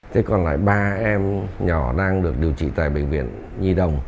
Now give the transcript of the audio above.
thế còn lại ba em nhỏ đang được điều trị tại bệnh viện nhi đồng